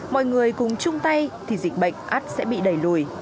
mọi người cùng chung tay thì dịch bệnh ắt sẽ bị đẩy lùi